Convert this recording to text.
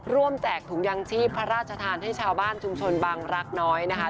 แจกถุงยางชีพพระราชทานให้ชาวบ้านชุมชนบังรักน้อยนะคะ